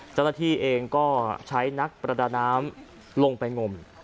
เจ้าหน้าที่เองก็ใช้นักประดาน้ำลงไปงม